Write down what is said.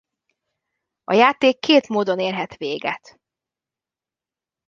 A játék két módon érhet véget.